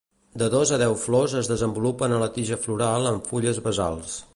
De dos a deu flors es desenvolupen a la tija floral amb fulles basals.